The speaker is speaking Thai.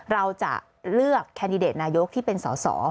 เราจะเลือกแคนดิเดตนายกที่เป็นสอสอ